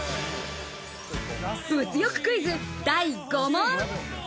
物欲クイズ第５問。